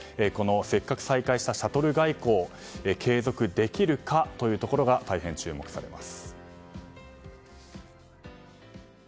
せっかく再開したシャトル外交継続できるかというところが大変注目されます。